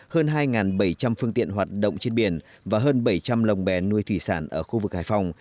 hơn hai bảy trăm linh phương tiện hoạt động trên biển và hơn bảy trăm linh lồng bè nuôi thủy sản ở khu vực hải phòng